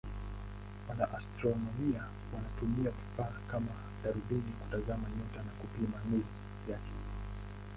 Wanaastronomia wanatumia vifaa kama darubini kutazama nyota na kupima nuru yake.